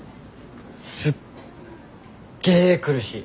すっげえ苦しい。